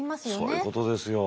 そういうことですよ。